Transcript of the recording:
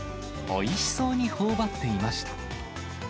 おいしそうにほおばっていました。